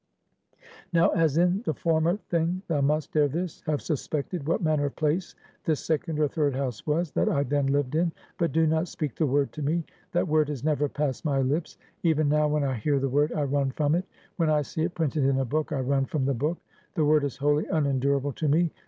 "Now, as in the former thing, thou must, ere this, have suspected what manner of place this second or third house was, that I then lived in. But do not speak the word to me. That word has never passed my lips; even now, when I hear the word, I run from it; when I see it printed in a book, I run from the book. The word is wholly unendurable to me.